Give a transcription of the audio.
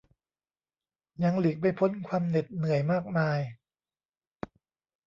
ยังหลีกไม่พ้นความเหน็ดเหนื่อยมากมาย